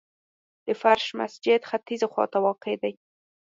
د فرش مسجد ختیځي خواته واقع دی.